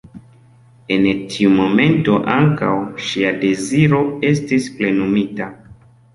En tiu momento ankaŭ ŝia deziro estis plenumita.